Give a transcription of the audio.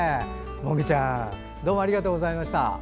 もぐちゃんどうもありがとうございました。